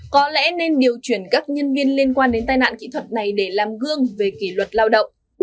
có lẽ nên điều chuyển các nhân viên liên quan đến tai nạn kỹ thuật này để làm gương về kỷ luật lao động